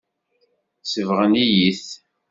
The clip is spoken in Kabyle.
Sebɣen-iyi-t.